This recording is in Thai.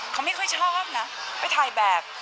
เขาไม่ค่อยชอบนะไปถ่ายแบบ